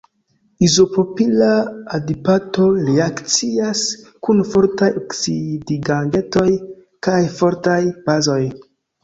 Izopropila adipato reakcias kun fortaj oksidigagentoj kaj fortaj bazoj.